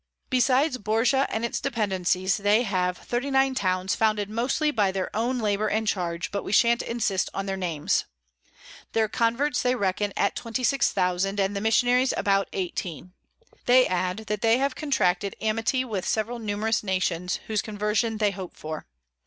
Besides Borja and its Dependencies, they have 39 Towns founded mostly by their own Labour and Charge, but we shan't insist on their Names. Their Converts they reckon at 26000, and the Missionaries about 18. They add, that they have contracted Amity with several numerous Nations, whose Conversion they hope for.